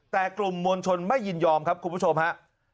แต่กลุ่มมวลชนไม่ยินยอมครับคุณผู้ชมฮะ